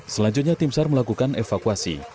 selanjutnya tim sar melakukan evakuasi